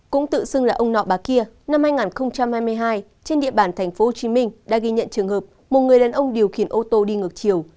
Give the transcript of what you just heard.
cũng tự xưng là ông nọ bà kia năm hai nghìn hai mươi hai trên địa bàn tp hcm đã ghi nhận trường hợp một người đàn ông điều khiển ô tô đi ngược chiều